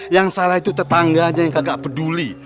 yang salah itu tetangganya yang agak peduli